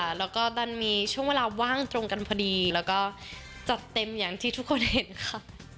ตรงเดือดมีช่วงเวลาว่างตรงกันพอดีจัดเต็มอย่างที่ทุกคนเห็นค่ะ